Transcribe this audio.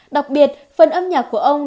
đặc biệt phần âm nhạc của ông